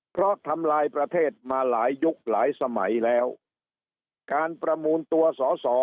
เพราะทำลายประเทศมาหลายยุคหลายสมัยแล้วการประมูลตัวสอสอ